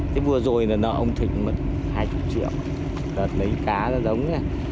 thế vừa rồi là nợ ông thịnh hai mươi triệu đợt lấy cá ra giống nha